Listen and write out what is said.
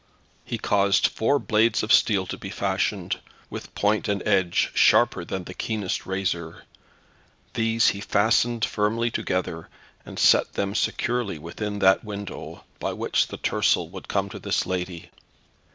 He caused four blades of steel to be fashioned, with point and edge sharper than the keenest razor. These he fastened firmly together, and set them securely within that window, by which the tercel would come to his lady.